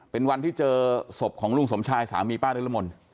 เป็นวันที่เจอศพของลุงสมชายสามีป้านิรมนต์